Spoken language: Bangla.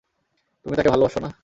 তুমি তাকে ভালোবাসো না?